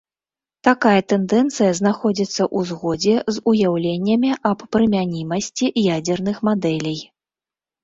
Такая тэндэнцыя знаходзіцца ў згодзе з уяўленнямі аб прымянімасці ядзерных мадэлей.